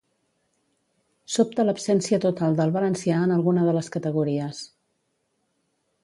Sobta l'absència total del valencià en alguna de les categories.